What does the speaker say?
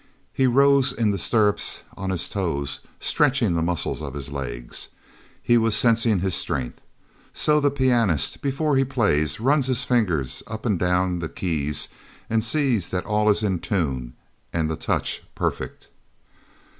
He rose in the stirrups, on his toes, stretching the muscles of his legs. He was sensing his strength. So the pianist before he plays runs his fingers up and down the keys and sees that all is in tune and the touch perfect.